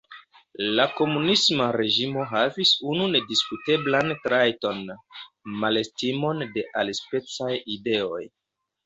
La komunisma reĝimo havis unu nediskuteblan trajton: malestimon de alispecaj ideoj.